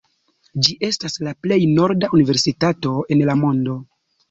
Ĝi estas la plej norda universitato en la mondo.